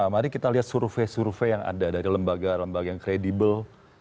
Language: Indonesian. mari kita lihat survei survei yang ada dari lembaga lembaga yang kredibel